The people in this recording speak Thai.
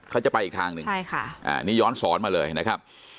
เขาจะไปอีกทางหนึ่งใช่ค่ะอันนี้ย้อนสอนมาเลยนะครับ